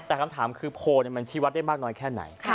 แต่คำถามคือโพลมันชี้วัดได้มากน้อยแค่ไหน